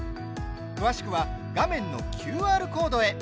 詳しくは画面のＱＲコードへ。